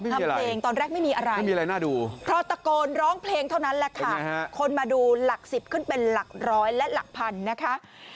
ทำเพลงตอนแรกไม่มีอะไรพอตะโกนร้องเพลงเท่านั้นแหละค่ะคนมาดูหลัก๑๐ขึ้นเป็นหลักร้อยและหลักพันนะคะ